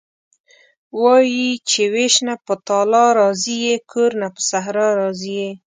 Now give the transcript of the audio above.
وايي چې وېش نه په تالا راضي یې کور نه په صحرا راضي یې..